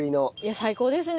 最高ですね